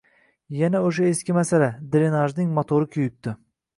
Yana oʻsha eski masala – drenajning motori kuyibdi.